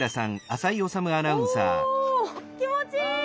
気持ちいい！